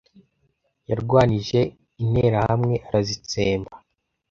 Yarwanije Interahamwe arazitsemba